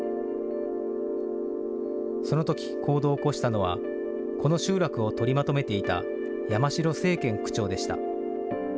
そのとき行動を起こしたのは、この集落を取りまとめていた山城政賢区長でした。